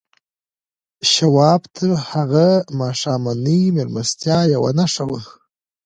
شواب ته هغه ماښامنۍ مېلمستیا یوه نښه وه